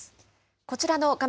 こちらの画面